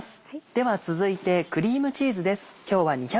では続いてクリームチーズです。